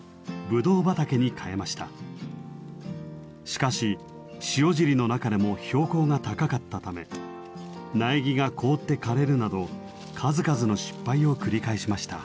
しかし塩尻の中でも標高が高かったため苗木が凍って枯れるなど数々の失敗を繰り返しました。